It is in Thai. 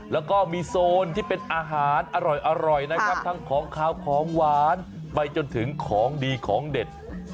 แล้วก็มีโซนที่เป็นอาหารอร่อยนะครับทั้งของขาวของหวานไปจนถึงของดีของเด็ด